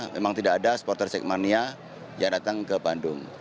memang tidak ada supporter sekmania yang datang ke bandung